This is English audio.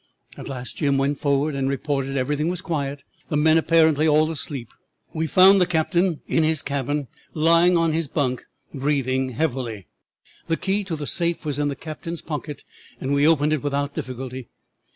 At last Jim went forward and reported everything quiet and the men apparently all asleep. We found the captain in his cabin lying on his bunk breathing heavily. The key to the safe was in the captain's pocket, and we opened it without difficulty.